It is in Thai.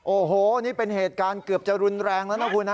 โอ้โหนี่เป็นเหตุการณ์เกือบจะรุนแรงแล้วนะคุณนะ